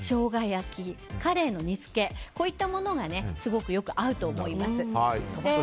焼きカレイの煮つけこういったものがすごくよく合うと思います。